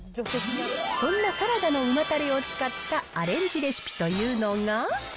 そんなサラダの旨たれを使ったアレンジレシピというのが。